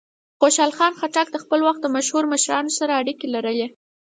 خوشحال خان خټک د خپل وخت د مشهورو مشرانو سره اړیکې لرلې.